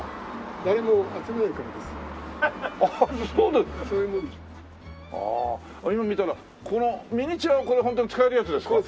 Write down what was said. ああ今見たらこのミニチュアこれホントに使えるやつですか？